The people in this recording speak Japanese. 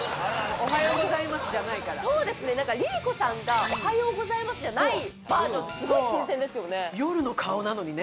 おはようございますじゃないからそうですねなんかＬｉＬｉＣｏさんがおはようございますじゃないバージョンってすごい新鮮ですよね